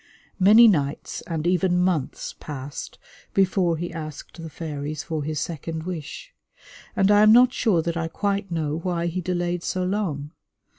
Many nights and even months passed before he asked the fairies for his second wish; and I am not sure that I quite know why he delayed so long.